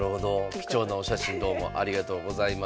貴重なお写真どうもありがとうございました。